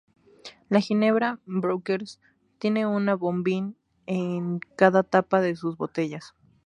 La ginebra "Brokers" tiene un bombín en cada tapa de sus botellas.